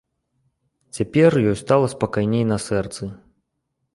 Цяпер ёй стала спакайней на сэрцы.